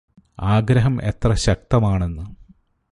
ആഗ്രഹം എത്ര ശക്തമാണെന്ന്